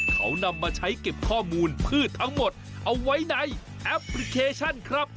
เขานำมาใช้เก็บข้อมูลพืชทั้งหมดเอาไว้ในแอปพลิเคชันครับ